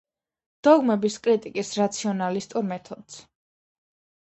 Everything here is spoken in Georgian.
დოგმების კრიტიკის რაციონალისტურ მეთოდს.